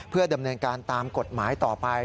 เพื่อดำเนินการตามกฎหมายต่อไป